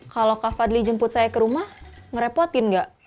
kalau kak fadli jemput saya ke rumah ngerepotin gak